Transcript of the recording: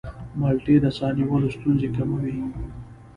مالټې د ساه نیولو ستونزې کموي.